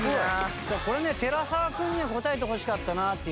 これね寺澤君には答えてほしかったなっていうね。